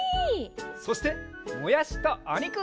そしてもやしとおにく！